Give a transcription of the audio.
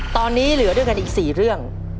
ตอนนี้เหลือด้วยกันอีก๔เรื่อง